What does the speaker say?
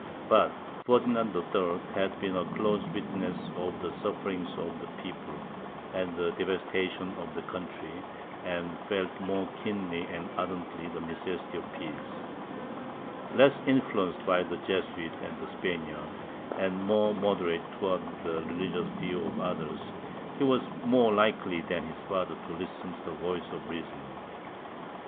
But Ferdinand III. had been a closer witness of the sufferings of the people, and the devastation of the country, and felt more keenly and ardently the necessity of peace. Less influenced by the Jesuits and the Spaniards, and more moderate towards the religious views of others, he was more likely than his father to listen to the voice of reason.